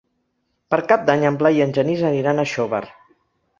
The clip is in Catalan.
Per Cap d'Any en Blai i en Genís aniran a Xóvar.